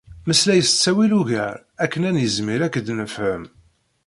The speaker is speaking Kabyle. Meslay s ttawil ugar akken ad nizmir ad k-d-nefhem.